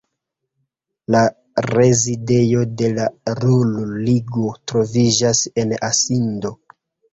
La rezidejo de la Ruhr-Ligo troviĝas en Asindo.